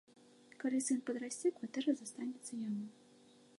Калі сын падрасце, кватэра застанецца яму.